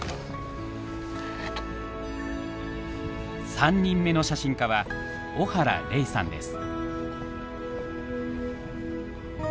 ３人目の写真家は小原玲さんです。